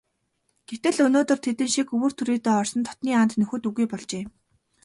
Гэтэл өнөөдөр тэдэн шиг өвөр түрийдээ орсон дотнын анд нөхөд үгүй болжээ.